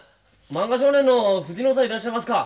「漫画少年」の藤野さんいらっしゃいますか。